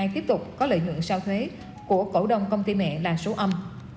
tiếp tục có lợi nhuận sau thuế của cổ đông công ty mẹ là số âm